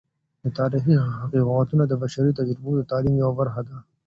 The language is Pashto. د تاریخی حقیقتونه د بشري تجربو د تعلیم یوه برخه ده.